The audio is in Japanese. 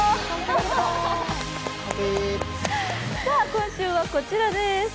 今週はこちらです。